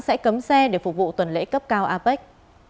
sẽ cấm xe để phục vụ tuần lễ cấp cao apec